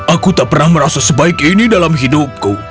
aku tak pernah merasa sebaik ini dalam hidupku